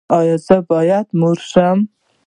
ایا زه باید مور شم؟